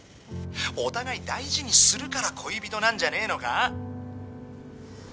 お互い大事にするから恋人なんじゃねえのか？